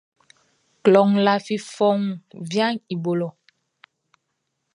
Kloʼn lafi fɔuun viaʼn i bo lɔ.